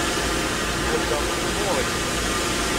Thedder qejmuri!